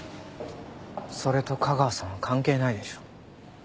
それと架川さんは関係ないでしょう。